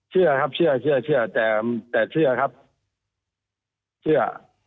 เชื่อครับเชื่อแต่เชื่อครับเชื่อ